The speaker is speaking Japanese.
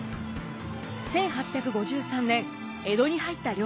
１８５３年江戸に入った龍馬。